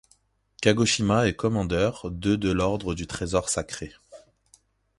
Kagoshima est commandeur de de l'ordre du Trésor sacré.